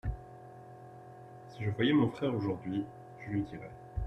Si je voyais mon frère aujourd’hui, je lui dirais.